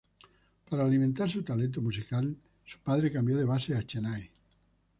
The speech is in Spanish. Para alimentar su talento musical, su padre cambió de base a Chennai.